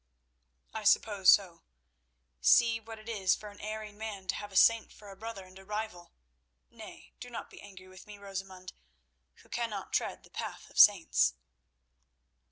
"I suppose so. See what it is for an erring man to have a saint for a brother and a rival! Nay, be not angry with me, Rosamund, who cannot tread the path of saints."